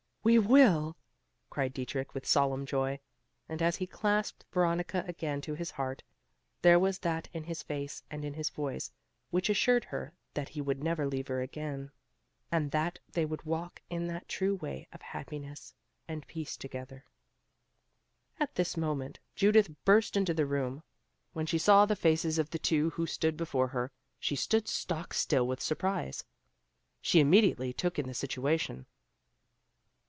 "We will," cried Dietrich, with solemn joy; and as he clasped Veronica again to his heart, there was that in his face and in his voice which assured her that he would never leave her again, and that they would walk in that true way of happiness and peace together. At this moment Judith burst into the room. When she saw the faces of the two who stood before her, she stood stock still with surprise! She immediately took in the situation.